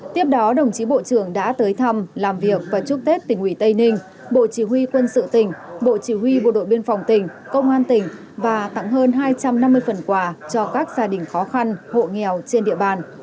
tiếp đó đồng chí bộ trưởng đã tới thăm làm việc và chúc tết tỉnh ủy tây ninh bộ chỉ huy quân sự tỉnh bộ chỉ huy bộ đội biên phòng tỉnh công an tỉnh và tặng hơn hai trăm năm mươi phần quà cho các gia đình khó khăn hộ nghèo trên địa bàn